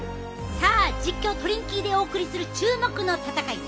さあ実況トリンキーでお送りする注目の戦い！